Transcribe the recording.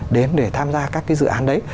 đến để tham gia các cái dự án đấy